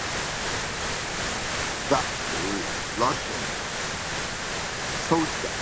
The Russians thought the British encouraged the Afghans to do this.